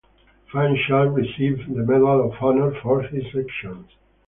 Van Schaick received the Medal of Honor for his actions.